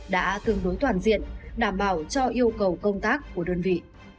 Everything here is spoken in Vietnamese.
đã tương đối toàn diện đảm bảo cho yêu cầu công tác của đơn vị